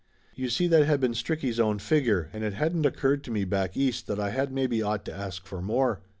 You see that had been Stricky' s own figure and it hadn't oc curred to me back East that I had maybe ought to ask for more.